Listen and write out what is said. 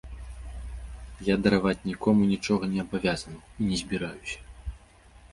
Я дараваць нікому нічога не абавязаны, і не збіраюся.